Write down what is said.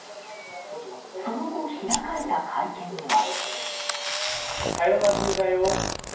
その後、開かれた会見では。